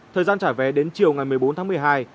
thời gian trả vé đến chiều ngày một mươi bốn tháng một mươi hai